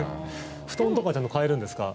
布団とかちゃんと替えるんですか？